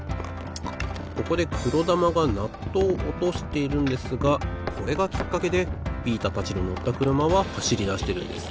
ここでくろだまがナットをおとしているんですがこれがきっかけでビータたちののったくるまははしりだしてるんです。